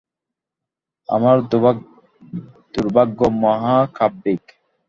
আমার দুর্ভাগ্য মহাকাব্যিক।